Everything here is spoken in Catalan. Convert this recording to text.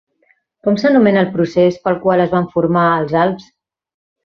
Com s'anomena el procés pel qual es van formar els Alps?